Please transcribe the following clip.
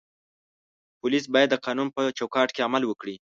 پولیس باید د قانون په چوکاټ کې عمل وکړي.